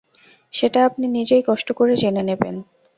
সেটা আপনি নিজেই কষ্ট করে জেনে নেবেন।